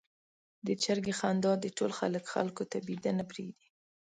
د چرګې خندا د ټول کلي خلکو ته بېده نه پرېږدي.